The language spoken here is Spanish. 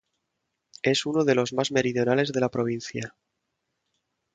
Es uno de los más meridionales de la provincia.